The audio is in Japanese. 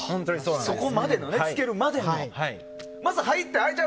そこまで着けるまでの。